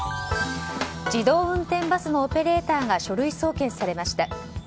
自動運転バスのオペレーターが書類送検されました。